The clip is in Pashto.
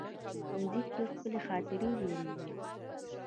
ښوونځی کې ښکلي خاطرې جوړېږي